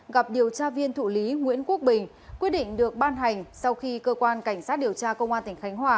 gặp điều tra viên thụ lý nguyễn quốc bình quyết định được ban hành sau khi cơ quan cảnh sát điều tra công an tỉnh khánh hòa